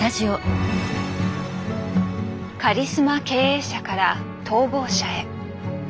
カリスマ経営者から逃亡者へ。